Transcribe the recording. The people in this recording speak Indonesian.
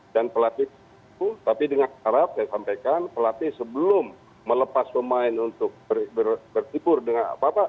dan pelatih itu tapi dengan harap saya sampaikan pelatih sebelum melepas pemain untuk bersibur dengan apa pak